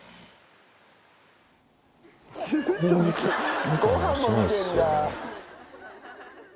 ずっと見てごはんも見てんだ。